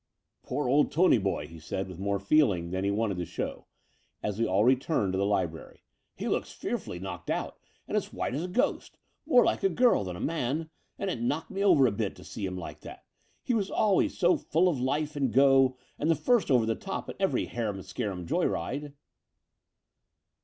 "Poor old Tony Boy," he said with more feeling than he wanted to show, as we all returned to the library, "he looks fearfully knocked out and as white as a ghost — ^more like a girl than a man: and it knocked me over a bit to see him like that. He was always so full of life and go, and the first over the top in every harum scartun joy ride."